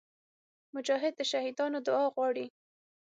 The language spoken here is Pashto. مجاهد د شهیدانو دعا غواړي.